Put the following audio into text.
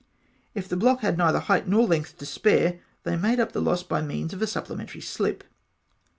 If the block had neither height nor length to spare, they made up the loss by means of a supplementary slip.